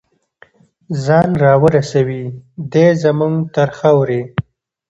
ځان راورسوي دی زمونږ تر خاورې